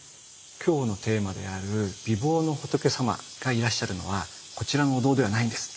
今日のテーマである美貌の仏様がいらっしゃるのはこちらのお堂ではないんです。